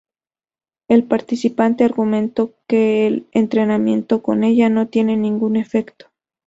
El participante argumentó que el entrenamiento con ella no tiene ningún efecto.